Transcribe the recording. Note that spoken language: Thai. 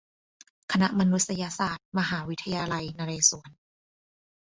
คณะมนุษยศาสตร์ มหาวิทยาลัยนเรศวร